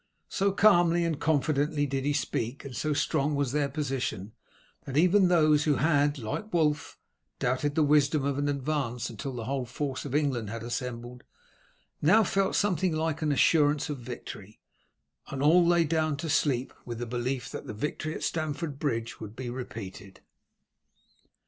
So calmly and confidently did he speak, and so strong was their position, that even those who had, like Wulf, doubted the wisdom of an advance until the whole force of England had assembled, now felt something like an assurance of victory, and all lay down to sleep with the belief that the victory at Stamford Bridge would be repeated.